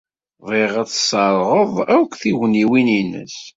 Bɣiɣ ad tesserɣeḍ akk tugniwin-nnes.